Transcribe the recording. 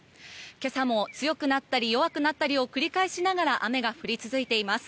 今朝も強くなったり弱くなったりを繰り返しながら雨が降り続いています。